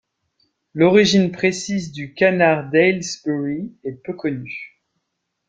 L'origine précise du canard d'Aylesbury est peu connue.